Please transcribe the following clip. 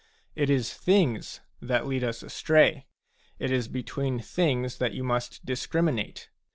It is things that lead us astray : it is between things that you must dis criminate.